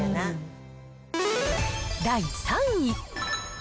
第３位。